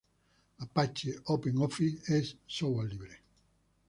Apache OpenOffice es software libre.